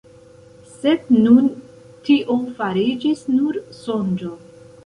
Sed nun tio fariĝis nur sonĝo.